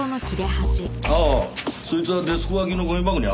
ああそいつはデスク脇のゴミ箱にあったんだ。